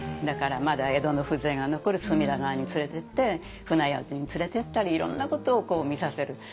だからまだ江戸の風情が残る隅田川に連れてって船宿に連れていったりいろんなことを見させる。